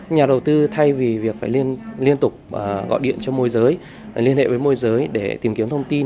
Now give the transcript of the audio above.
nhà đầu tư thay vì việc phải liên tục gọi điện cho môi giới liên hệ với môi giới để tìm kiếm thông tin